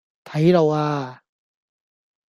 睇路呀